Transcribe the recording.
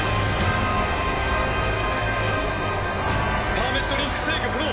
パーメットリンク制御不能。